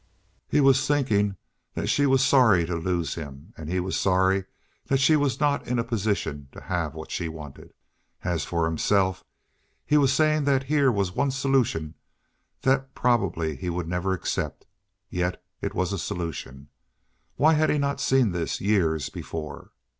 He was thinking that she was sorry to lose him, and he was sorry that she was not in a position to have what she wanted. As for himself, he was saying that here was one solution that probably he would never accept; yet it was a solution. Why had he not seen this years before?